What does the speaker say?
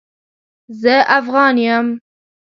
زه افغان يم